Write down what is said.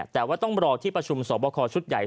แต่ว่าต้องรอที่ประชุมสอบคอชุดใหญ่